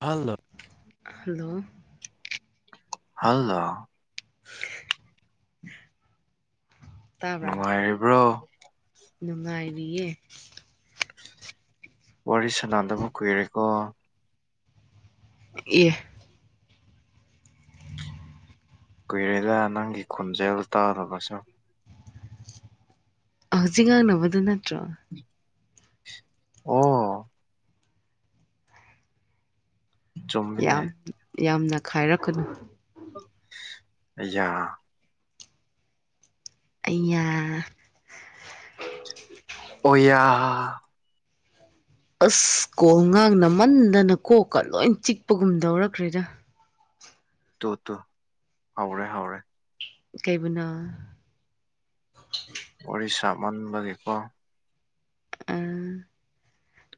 hello hello hello ꯇꯥꯕ꯭ꯔꯥ ꯅꯨꯡꯉꯥꯏꯔꯤꯕ꯭ꯔꯣ ꯅꯨꯡꯉꯥꯏꯔꯤꯌꯦ ꯋꯥꯔꯤ ꯁꯅꯗꯕ ꯀꯨꯏꯔꯦꯀꯣ [unintelligible] ꯀꯨꯏꯔꯦꯗꯦ ꯅꯪꯒꯤ ꯈꯣꯟꯖꯦꯜ ꯇꯥꯗꯕꯁꯨ ꯍꯧꯖꯤꯛ ꯉꯥꯡꯅꯕꯗꯨ ꯅꯠꯇ꯭ꯔꯣ ꯑꯣ ꯆꯨꯝꯃꯤꯅꯦ ꯌꯥꯝ ꯌꯥꯝꯅ ꯈꯥꯏꯔꯛꯀꯅꯨ ꯑꯩꯌꯥ ꯑꯩꯌꯥ ꯑꯣꯏꯌꯥ ꯑꯁ ꯀꯣꯜ ꯉꯥꯡꯅꯝꯃꯟꯗꯅ ꯀꯣꯛꯀ ꯂꯣꯏ ꯆꯤꯛꯄꯒꯨꯝ ꯇꯧꯔꯛꯈ꯭ꯔꯦꯗ ꯇꯣ ꯇꯣ ꯍꯧꯔꯦ ꯍꯧꯔꯦ ꯀꯩꯕꯨꯅꯣ ꯋꯥꯔꯤ ꯁꯥꯃꯟꯕꯗꯒꯤꯀꯣ ꯑꯥ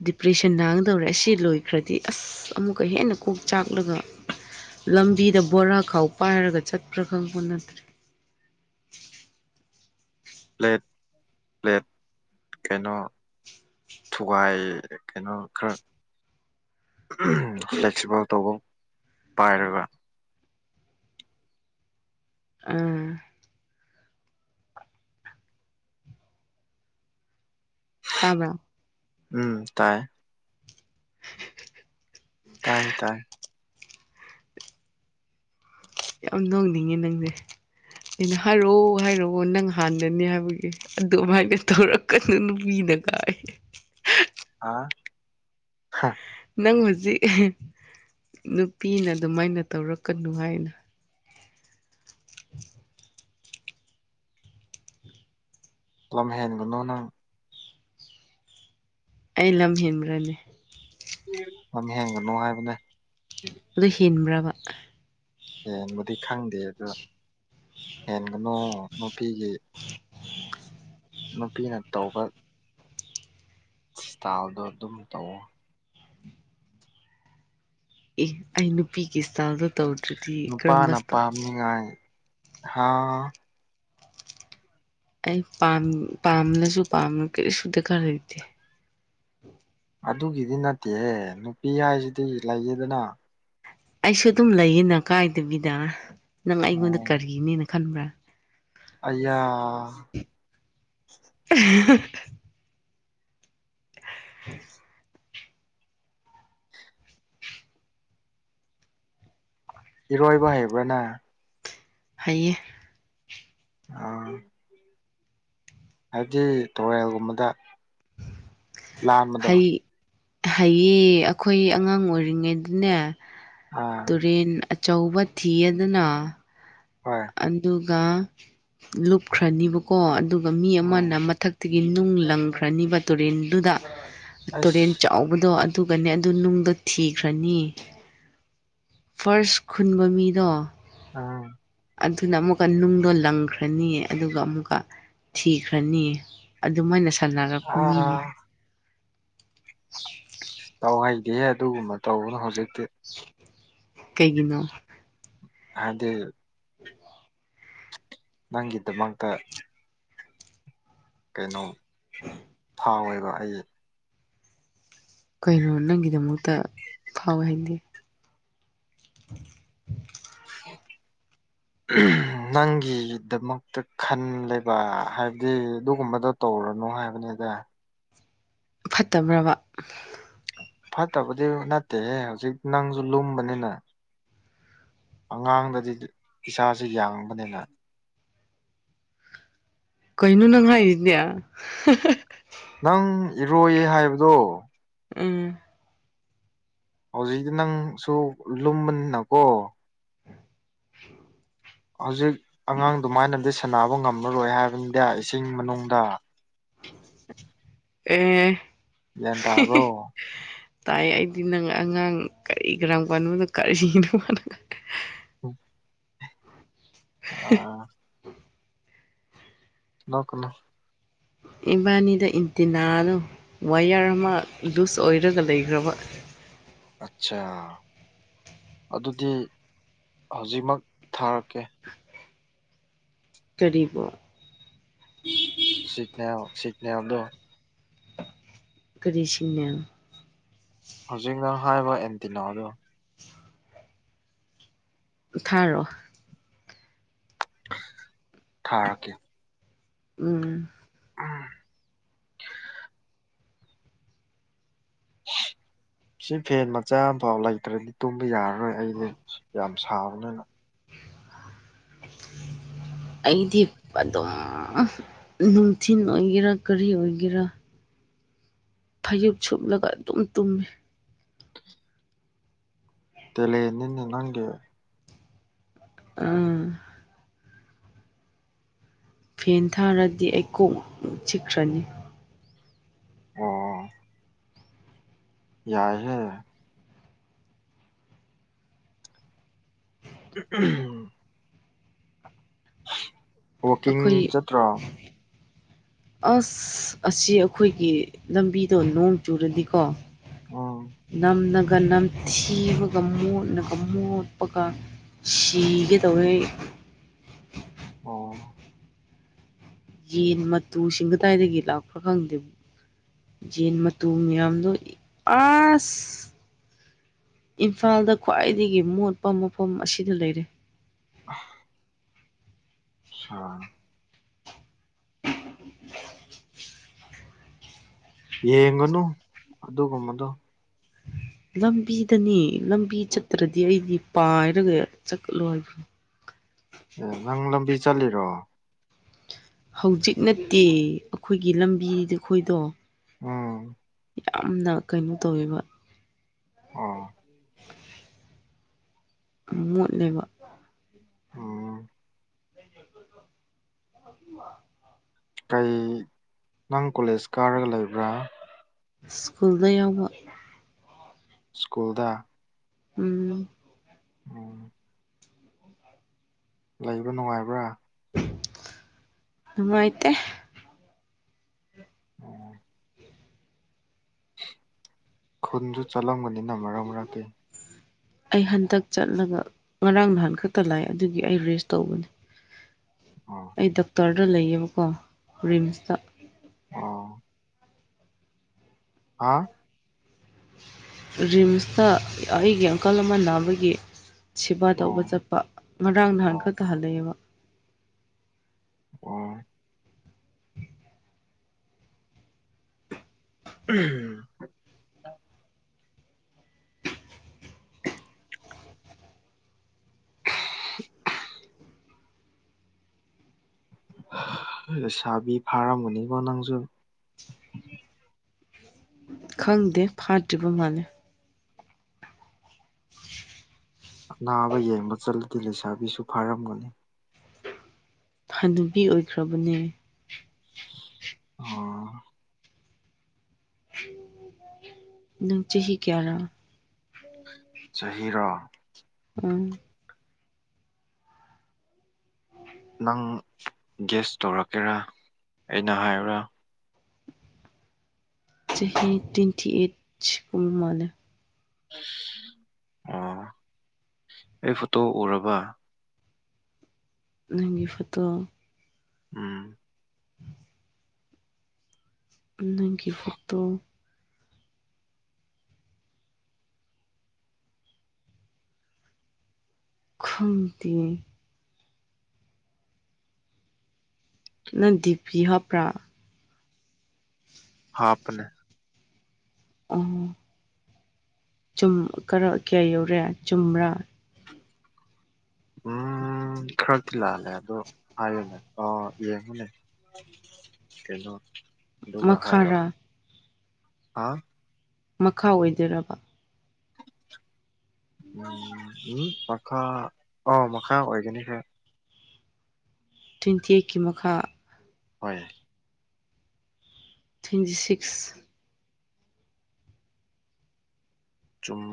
ꯗꯤꯄ꯭ꯔꯦꯁꯟ ꯅꯥꯒꯗꯧꯔꯦ ꯑꯁꯤ ꯂꯣꯏꯈ꯭ꯔꯗꯤ ꯑꯁ ꯑꯃꯨꯛꯀ ꯍꯦꯟꯅ ꯀꯣꯛ ꯆꯥꯛꯂꯒ ꯂꯝꯕꯤꯗ ꯕꯣꯔꯥ ꯈꯥꯎ ꯄꯥꯏꯔꯒ ꯆꯠꯄ꯭ꯔꯥ ꯈꯪꯄꯣ ꯅꯠꯇ꯭ꯔꯦ ꯄ꯭ꯂꯦꯠ ꯄ꯭ꯂꯦꯠ ꯀꯩꯅꯣ ꯊꯨꯒꯥꯏ ꯀꯩꯅꯣ ꯈꯔ ꯐꯂꯦꯛꯁꯤꯕꯜ ꯇꯧꯕꯝ ꯄꯥꯏꯔꯒ ꯎꯝ ꯇꯥꯕ꯭ꯔꯥ ꯎꯝ ꯇꯥꯏ ꯇꯥꯏꯌꯦ ꯇꯥꯏ ꯌꯥꯝ ꯅꯣꯡꯅꯤꯡꯉꯦ ꯅꯪꯁꯦ ꯑꯩꯅ ꯍꯥꯏꯔꯛꯑꯣ ꯍꯥꯏꯔꯛꯑꯣ ꯅꯪ ꯍꯥꯟꯅꯅꯦ ꯍꯥꯏꯕꯒꯤ ꯑꯗꯨꯃꯥꯏꯅ ꯇꯧꯔꯛꯀꯅꯨ ꯅꯨꯄꯤꯅ ꯀꯥꯏ ꯑꯥ ꯅꯪ ꯍꯧꯖꯤꯛ ꯅꯨꯄꯤꯅ ꯑꯗꯨꯃꯥꯏꯅ ꯇꯧꯔꯛꯀꯅꯨ ꯍꯥꯏꯅ ꯂꯝꯍꯦꯟꯒꯟꯅꯣ ꯅꯣ ꯑꯩ ꯂꯝ ꯍꯦꯟꯕ꯭ꯔꯅꯦ ꯂꯝꯍꯦꯟꯒꯅꯣ ꯍꯥꯏꯕꯅꯦ ꯑꯗꯨ ꯍꯦꯟꯕꯔ꯭ꯕ ꯍꯦꯟꯕꯗꯤ ꯈꯪꯗꯦꯗ ꯍꯦꯟꯒꯅꯨ ꯅꯨꯄꯤꯒꯤ ꯅꯨꯄꯤꯅ ꯇꯧꯕ ꯏꯁꯇꯥꯢꯜꯗꯣ ꯑꯗꯨꯝ ꯇꯧꯋꯣ ꯑꯦ ꯑꯩ ꯅꯨꯄꯤꯒꯤ ꯏꯁꯇꯥꯢꯜꯗꯣ ꯇꯧꯗ꯭ꯔꯤ ꯅꯨꯄꯥꯅ ꯄꯥꯝꯅꯤꯡꯉꯥꯏ ꯍꯥ ꯑꯩ ꯄꯥꯝ ꯄꯥꯝꯂꯁꯨ ꯄꯥꯝ ꯀꯔꯤꯁꯨ ꯗꯔꯀꯥꯔ ꯂꯩꯇꯦ ꯑꯗꯨꯒꯤꯗꯤ ꯅꯠꯇꯦꯍꯦ ꯅꯨꯄꯤ ꯍꯥꯏꯁꯤꯗꯤ ꯂꯩꯌꯦꯗꯅ ꯑꯩꯁꯨ ꯑꯗꯨꯝ ꯂꯩꯌꯦꯅ ꯀꯥꯏꯗꯕꯤꯗ ꯅꯪ ꯑꯩꯉꯣꯟꯗ ꯑꯣ ꯀꯔꯤꯅꯦꯅ ꯈꯟꯕ꯭ꯔꯥ ꯑꯩꯌꯥ [unintelligible] [inaudible] ꯏꯔꯣꯏꯕ ꯍꯩꯕ꯭ꯔ ꯅꯪ ꯍꯩꯌꯦ ꯑꯥ ꯍꯥꯏꯕꯗꯤ ꯇꯨꯔꯦꯜꯒꯨꯝꯕꯗ ꯂꯥꯟꯕꯗꯣ ꯍꯩ ꯍꯩꯌꯦ ꯑꯈꯣꯏ ꯑꯉꯥꯡ ꯑꯣꯏꯔꯤꯉꯩꯗꯅꯦ ꯑꯥ ꯇꯨꯔꯦꯟ ꯑꯆꯧꯕ ꯊꯤꯌꯦꯗꯅ ꯍꯣꯏ ꯑꯗꯨꯒ ꯂꯨꯞꯈ꯭ꯔꯅꯤꯕꯀꯣ ꯑꯗꯨꯒ ꯃꯤ ꯎꯝ ꯑꯃꯅ ꯃꯊꯛ ꯑꯗꯒꯤ ꯅꯨꯡ ꯂꯪꯈ꯭ꯔꯅꯤꯕ ꯇꯨꯔꯦꯟꯗꯨꯗ ꯑꯁ ꯇꯨꯔꯦꯟ ꯆꯥꯎꯕꯗꯣ ꯑꯗꯨꯒꯅꯦ ꯑꯗꯨ ꯅꯨꯡꯗꯣ ꯊꯤꯈ꯭ꯔꯅꯤ ꯐꯥꯔꯁ ꯈꯨꯟꯕ ꯃꯤꯗꯣ ꯑꯥ ꯑꯗꯨꯅ ꯑꯃꯨꯛꯀ ꯅꯨꯡꯗꯣ ꯂꯪꯈ꯭ꯔꯅꯤ ꯑꯗꯨꯒ ꯑꯃꯨꯛꯀ ꯊꯤꯈ꯭ꯔꯅꯤ ꯑꯗꯨꯃꯥꯏꯅ ꯁꯥꯟꯅꯔꯛꯄ ꯃꯤꯅꯤ ꯑꯥ ꯇꯧꯍꯩꯗꯦꯍꯦ ꯑꯗꯨꯒꯨꯝꯕ ꯇꯧꯒꯅꯨ ꯍꯧꯖꯤꯛꯇꯤ ꯀꯩꯒꯤꯅꯣ ꯑꯗꯨ ꯅꯪꯒꯤꯗꯃꯛꯇ ꯀꯩꯅꯣꯝ ꯐꯥꯎꯌꯦꯕ ꯑꯩ ꯀꯩꯅꯣ ꯅꯪꯒꯤꯗꯃꯛꯇ ꯐꯥꯎꯋꯦ ꯍꯥꯏꯗꯤ [inaudible] [inaudible] ꯅꯪꯒꯤꯗꯃꯛꯇ ꯈꯟꯂꯦꯕ ꯍꯥꯏꯕꯗꯤ ꯑꯗꯨꯒꯨꯝꯕꯗꯣ ꯇꯧꯔꯅꯨ ꯍꯥꯏꯕꯅꯤꯗ ꯐꯠꯇꯕ꯭ꯔꯕ ꯐꯠꯇꯕꯗꯤ ꯅꯠꯇꯦꯍꯦ ꯍꯧꯖꯤꯛ ꯅꯪꯁꯨ ꯂꯨꯝꯕꯅꯤꯅ ꯑꯉꯥꯡꯗꯗꯤ ꯏꯁꯥꯁꯦ ꯌꯥꯡꯕꯅꯤꯅ ꯀꯩꯅꯣ ꯅꯪ ꯍꯥꯏꯔꯤꯁꯤꯗꯤ ꯅꯪ ꯏꯔꯣꯏꯌꯦ ꯍꯥꯏꯕꯗꯣ ꯎꯝ ꯍꯧꯖꯤꯛꯇꯤ ꯅꯪꯁꯨ ꯂꯨꯝꯕꯅꯤꯅꯀꯣ [inaudible] ꯍꯧꯖꯤꯛ ꯑꯉꯥꯡꯗꯨꯃꯥꯏꯅꯗꯤ ꯁꯥꯟꯅꯕ ꯉꯝꯃꯔꯣꯏ ꯍꯥꯏꯕꯅꯤꯗ ꯏꯁꯤꯡ ꯃꯅꯨꯡꯗ ꯑꯦ ꯒꯤꯌꯥꯟ ꯇꯕ꯭ꯔꯣ ꯇꯥꯏ ꯑꯩꯗꯤ ꯅꯪ ꯑꯉꯥꯡ ꯀꯔꯤ ꯀꯔꯝ ꯀꯥꯟꯗꯣ ꯀꯔꯤꯅꯣ ꯎꯝ ꯑꯥ ꯅꯣꯛꯀꯅꯨ ꯏꯕꯥꯟꯅꯤꯗ ꯏꯟꯇꯤꯅꯥꯗꯣ ꯋꯥꯏꯌꯔ ꯑꯃ ꯂꯨꯁ ꯑꯣꯏꯔꯒ ꯂꯩꯈ꯭ꯔꯕ ꯑꯠꯁꯤ ꯑꯗꯨꯗꯤ ꯍꯧꯖꯤꯛꯃꯛ ꯊꯥꯔꯛꯀꯦ ꯀꯔꯤꯕꯣ ꯁꯤꯛꯅꯦꯜ ꯁꯤꯛꯅꯦꯜꯗꯣ ꯀꯔꯤ ꯁꯤꯛꯅꯦꯜ ꯍꯧꯖꯤꯛꯅ ꯍꯥꯏꯕ ꯑꯦꯟꯇꯤꯅꯗꯣ ꯊꯥꯔꯛꯑꯣ ꯊꯥꯔꯛꯀꯦ ꯎꯝ ꯑꯝ ꯁꯤ ꯐꯦꯟ ꯃꯆꯥ ꯑꯃꯐꯥꯎ ꯂꯩꯇ꯭ꯔꯗꯤ ꯇꯨꯝꯕ ꯌꯥꯔꯔꯣꯏ ꯑꯩꯗꯤ ꯌꯥꯝ ꯁꯥꯕꯅꯤꯅ ꯎ [inaudible] ꯑꯩꯗꯤ ꯑꯗꯨꯝ ꯅꯨꯡꯊꯤꯟ ꯑꯣꯏꯒꯦꯔꯥ ꯀꯔꯤ ꯑꯣꯏꯒꯦꯔꯥ ꯐꯩꯖꯨꯞ ꯁꯨꯞꯂꯒ ꯑꯗꯨꯝ ꯇꯨꯝꯃꯦ ꯇꯦꯂꯦꯟꯅꯤꯅꯦ ꯅꯪꯒꯤ ꯑꯡ ꯐꯦꯟ ꯊꯥꯔꯗꯤ ꯑꯩ ꯀꯣꯛ ꯆꯤꯛꯈ꯭ꯔꯅꯤ ꯑꯣ ꯌꯥꯏꯍꯦ ꯎꯝ ꯎꯝꯍ ꯋꯥꯛꯀꯤꯡ ꯑꯩꯈꯣꯏ ꯆꯠꯇ꯭ꯔꯣ ꯑꯁ ꯑꯁꯤ ꯑꯩꯈꯣꯏꯒꯤ ꯂꯝꯕꯤꯗꯣ ꯅꯣꯡ ꯆꯨꯔꯗꯤꯀꯣ ꯎꯝ ꯅꯝꯅꯒ ꯅꯝ ꯊꯤꯕꯒ ꯃꯣꯠꯂꯒ ꯃꯣꯠꯄꯒ ꯁꯤꯒꯦ ꯗꯧꯑꯦ ꯑꯣ ꯌꯦꯟ ꯃꯇꯨꯁꯤꯡ ꯀꯗꯥꯏꯗꯒꯤ ꯂꯥꯛꯄ꯭ꯔꯥ ꯈꯪꯗꯦ ꯌꯦꯟ ꯃꯇꯨ ꯃꯤꯌꯥꯝꯗꯣ ꯑꯥꯁ ꯏꯝꯐꯥꯜꯗ ꯈ꯭ꯋꯥꯏꯗꯒꯤ ꯃꯣꯠꯄ ꯃꯐꯝ ꯑꯁꯤꯗ ꯂꯩꯔꯦ ꯑꯥꯍ ꯁꯥꯔ ꯌꯦꯡꯉꯅꯨ ꯑꯗꯨꯒꯨꯝꯕꯗꯣ ꯂꯝꯕꯤꯗꯅꯦ ꯂꯝꯕꯤ ꯆꯠꯇ꯭ꯔꯗꯤ ꯑꯩꯗꯤ ꯄꯥꯏꯔꯒ ꯆꯠꯂꯣ ꯍꯥꯏꯕ꯭ꯔꯣ ꯑꯦ ꯅꯪ ꯂꯝꯕꯤ ꯆꯠꯂꯤꯔꯣ ꯍꯧꯖꯤꯛ ꯅꯠꯇꯦ ꯑꯩꯈꯣꯏꯒꯤ ꯂꯝꯕꯤꯗ ꯑꯩꯈꯣꯏꯗꯣ ꯑꯥ ꯌꯥꯝꯅ ꯀꯩꯅꯣ ꯇꯧꯋꯦꯕꯥ ꯑꯣ ꯎꯝ ꯃꯣꯠꯂꯦꯕ ꯑꯣ [inaudible] ꯀꯩ ꯅꯪ ꯀꯣꯂꯦꯖ ꯀꯥꯔꯒ ꯂꯩꯕ꯭ꯔꯥ ꯁ꯭ꯀꯨꯜꯗ ꯌꯥꯎꯕ ꯁ꯭ꯀꯨꯜꯗ ꯎꯝ ꯑꯣ ꯂꯩꯕꯥ ꯅꯨꯡꯉꯥꯏꯕ꯭ꯔꯥ ꯅꯨꯡꯉꯥꯏꯇꯦ ꯑꯣ ꯈꯨꯟꯗꯨ ꯆꯠꯂꯝꯒꯅꯤꯅ ꯃꯔꯛ ꯃꯔꯛꯇꯤ ꯑꯩ ꯍꯟꯗꯛ ꯆꯠꯂꯒ ꯉꯔꯥꯡ ꯅꯍꯥꯟ ꯈꯛꯇ ꯂꯥꯛꯑꯦ ꯑꯗꯨꯒꯤ ꯑꯩ ꯔꯦꯁ ꯇꯧꯕꯅꯤ [inaudible] ꯑꯣ ꯑꯩ ꯗꯣꯛꯇ꯭ꯔꯗ ꯂꯩꯌꯦꯕꯀꯣ ꯔꯤꯝꯁꯇ ꯑꯣ ꯑꯥ ꯔꯤꯝꯁꯇ ꯑꯩꯒꯤ ꯑꯪꯀꯜ ꯑꯃ ꯅꯥꯕꯒꯤ ꯁꯦꯕꯥ ꯑꯣ ꯇꯧꯕ ꯆꯠꯄ ꯉꯔꯥꯡ ꯅꯍꯥꯟ ꯑꯣ ꯈꯛꯇꯥ ꯍꯜꯂꯛꯑꯦꯕ ꯑꯣ ꯎꯝꯍꯝ ꯎꯝ [unintelligible] ꯍꯥ ꯂꯩꯁꯥꯕꯤ ꯐꯥꯔꯝꯃꯅꯤꯕꯣ ꯅꯪꯖꯨ ꯈꯪꯗꯦ ꯐꯥꯗ꯭ꯔꯤꯕ ꯃꯥꯜꯂꯦ ꯑꯅꯥꯕ ꯌꯦꯡꯕ ꯆꯠꯂꯗꯤ ꯂꯩꯁꯥꯕꯤꯁꯨ ꯐꯥꯔꯝꯃꯅꯤ ꯍꯅꯨꯕꯤ ꯑꯣꯏꯈ꯭ꯔꯕꯅꯦ ꯑꯣ ꯅꯪ ꯆꯍꯤ ꯀꯌꯥꯔ ꯆꯍꯤꯔꯣ ꯎꯝ ꯅꯪ ꯒ꯭ꯌꯥꯁ ꯇꯧꯔꯛꯀꯦꯔꯥ ꯑꯩꯅ ꯍꯥꯏꯌꯣꯔꯥ ꯆꯍꯤ ꯇ꯭ꯨꯋꯦꯟꯇꯤ ꯑꯩꯠ ꯁꯨꯔꯕ ꯃꯥꯟꯂꯦ ꯑꯣ ꯑꯩ ꯐꯣꯇꯣ ꯎꯔꯕ ꯅꯪꯒꯤ ꯐꯣꯇꯣ ꯎꯝ ꯅꯪꯒꯤ ꯐꯣꯇꯣ ꯈꯪꯗꯦ ꯅꯪ ꯗꯤꯞꯄꯤ ꯍꯥꯞꯄꯔꯥ ꯍꯥꯞꯄꯅꯦ ꯑꯍꯥ ꯆꯨꯝ ꯀꯔ ꯀꯌꯥ ꯌꯧꯔꯦ ꯆꯨꯝꯔꯥ ꯎꯝ ꯈꯔꯗꯤ ꯂꯥꯜꯂꯦ ꯑꯗꯨ ꯍꯥꯏꯌꯨꯅꯦ ꯑ ꯌꯦꯡꯉꯨꯅꯦ ꯀꯩꯅꯣ ꯑꯗꯨꯒ ꯍꯥꯏꯔꯣ ꯃꯈꯥꯔꯥ ꯍꯥ ꯃꯈꯥ ꯑꯣꯏꯗꯣꯏꯔꯕ ꯎꯝ ꯎꯝ ꯃꯈꯥ ꯑꯣ ꯃꯈꯥ ꯑꯣꯏꯒꯅꯤꯍꯦ ꯇ꯭ꯋꯦꯟꯇꯤ ꯑꯩꯠꯀꯤ ꯃꯈꯥ ꯍꯣꯏ ꯇꯨꯋꯦꯟꯇꯤ ꯁꯤꯛꯁ ꯆꯨꯝ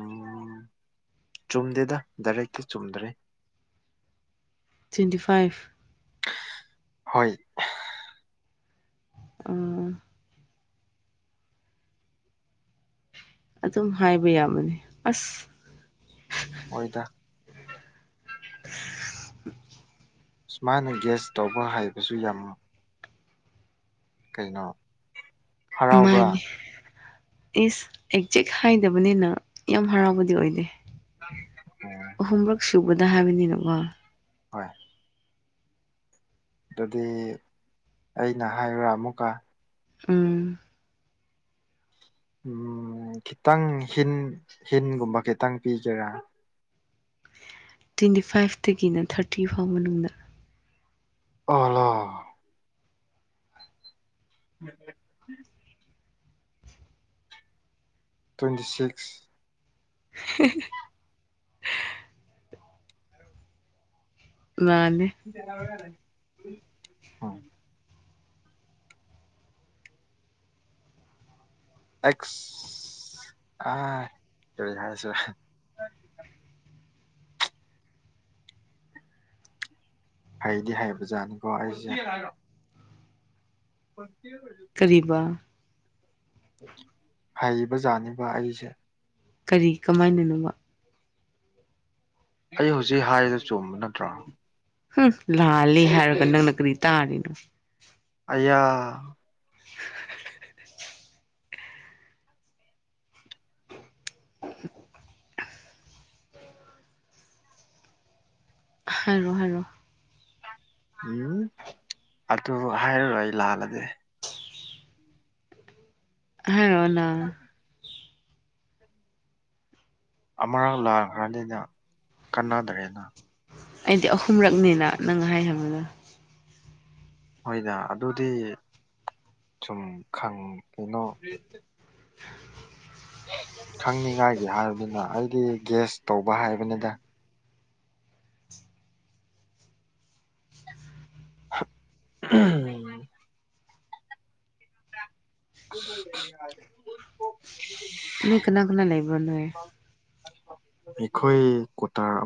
ꯆꯨꯝꯗꯦꯗ ꯗꯥꯏꯔꯦꯛꯇꯤ ꯆꯨꯝꯗ꯭ꯔꯤ ꯇ꯭ꯋꯦꯟꯇꯤ ꯐꯥꯏꯚ [unintelligible] ꯍꯣꯏ ꯑꯥ [unintelligible] ꯑꯗꯨꯝ ꯍꯥꯏꯕ ꯌꯥꯕꯅꯤ ꯑꯁ ꯍꯣꯏꯗ [unintelligible] ꯁꯨꯃꯥꯏꯅ ꯒ꯭ꯌꯥꯁ ꯇꯧꯕ ꯍꯥꯏꯕꯁꯨ ꯌꯥꯝ ꯀꯩꯅꯣ ꯍꯔꯥꯎꯕ꯭ꯔꯥ ꯃꯥꯅꯤ ꯏꯁ ꯑꯦꯛꯖꯦꯛ ꯍꯥꯏꯗꯕꯅꯤꯅ ꯌꯥꯝ ꯍꯔꯥꯎꯕꯗꯤ ꯑꯣꯏꯗꯦ [unintelligible] ꯑꯣ ꯑꯍꯨꯝꯔꯛ ꯁꯨꯕꯗ ꯍꯥꯏꯕꯅꯤꯅ ꯃ ꯍꯣꯏ ꯑꯗꯨꯗꯤ ꯑꯩꯅ ꯍꯥꯏꯌꯨꯔ ꯑꯃꯨꯛꯀ ꯎꯝ ꯎꯝ ꯈꯤꯇꯪ ꯍꯤꯟ ꯍꯤꯟꯒꯨꯝꯕ ꯈꯤꯇꯪ ꯄꯤꯒꯦꯔꯥ ꯇ꯭ꯋꯦꯟꯇꯤ ꯐꯥꯏꯚꯇꯒꯤꯅ ꯊꯥꯔꯇꯤ ꯐꯧ ꯃꯅꯨꯡꯗ ꯑꯂꯥ [unintelligible] ꯇꯨ꯭ꯋꯦꯟꯇꯤ ꯁꯤꯛꯁ [unintelligible] ꯃꯥꯅꯤ [unintelligible] ꯍꯥ ꯑꯦꯋ ꯑ ꯀꯩ ꯍꯥꯏꯁꯤꯔ ꯍꯩꯗꯤ ꯍꯥꯏꯕꯖꯥꯠꯅꯤꯀꯣ ꯑꯩꯁꯦ [unintelligible] ꯀꯔꯤꯕ ꯍꯩꯕꯖꯥꯠꯅꯦꯕꯥ ꯑꯩꯁꯦ ꯀꯔꯤ ꯀꯃꯥꯏꯅꯅꯣꯕꯥ ꯑꯩ ꯍꯧꯖꯤꯛ ꯍꯥꯏꯔ ꯆꯨꯝꯕ ꯅꯠꯇ꯭ꯔꯣ ꯍꯨꯝ ꯂꯥꯜꯂꯤ ꯍꯥꯏꯔꯒ ꯅꯪꯅ ꯀꯔꯤ ꯇꯥꯔꯤꯅꯣ ꯑꯩꯌꯥ ꯍꯥꯏꯔꯣ ꯍꯥꯏꯔꯣ ꯎꯝ ꯑꯗꯨ ꯍꯥꯏꯔꯔꯣꯏ ꯂꯥꯜꯂꯒꯦ ꯍꯥꯏꯔꯣ ꯅꯪ [inaudible] ꯑꯥꯃꯔꯅ ꯍꯥꯏꯗꯤꯗ ꯀꯥꯟꯅꯗ꯭ꯔꯦꯅ ꯑꯩꯗꯤ ꯑꯍꯨꯝꯔꯛꯅꯤꯅ ꯅꯪ ꯍꯥꯏꯍꯟꯕꯗꯣ ꯍꯣꯏꯗ ꯑꯗꯨꯗꯤ ꯁꯨꯝ ꯈꯪ ꯀꯩꯅꯣ [inaudible] ꯈꯪꯅꯤꯉꯥꯏꯒꯤ ꯍꯥꯏꯕꯅꯤꯅ ꯑꯩꯗꯤ ꯒꯦꯁ ꯇꯧꯕ ꯍꯥꯏꯕꯅꯤꯗ ꯍꯥ ꯎꯝ [unintelligible] ꯅꯣꯏ ꯀꯅꯥ ꯀꯅꯥ ꯂꯩꯕ꯭ꯔꯥ ꯅꯣꯏ ꯑꯩꯈꯣꯏ ꯀ꯭ꯋꯥꯇꯝ